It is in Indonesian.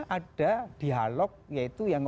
ada dialog yaitu yang